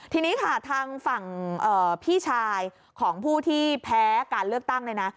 ทีนี้ค่ะทางฝั่งพี่ชายของผู้ที่แพ้การเลือกตั้งเนี่ยนะ